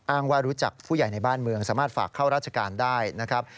ว่ารู้จักผู้ใหญ่ในบ้านเมืองสามารถฝากเข้าราชการได้นะครับ